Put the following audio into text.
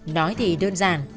nói thì đơn giản